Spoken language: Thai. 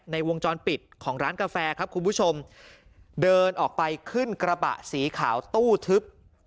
วงจรปิดของร้านกาแฟครับคุณผู้ชมเดินออกไปขึ้นกระบะสีขาวตู้ทึบ